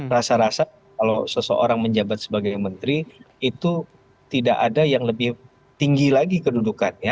rasa rasa kalau seseorang menjabat sebagai menteri itu tidak ada yang lebih tinggi lagi kedudukannya